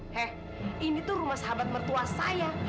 heh ini tuh rumah sahabat mertua saya